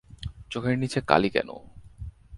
চোখের নীচে কালি কেন?